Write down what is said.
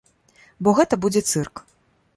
Бо гэта будзе цырк.